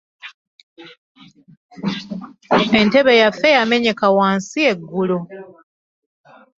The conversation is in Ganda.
Entebe yaffe yamenyeka wansi eggulo.